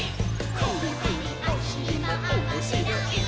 「フリフリおしりもおもしろい」